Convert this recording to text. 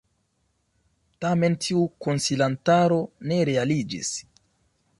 Tamen tiu konsilantaro ne realiĝis.